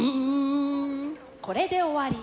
これで終わり。